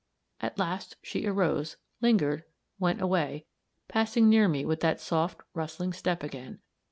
At last she arose, lingered, went away, passing near me with that soft, rustling step again.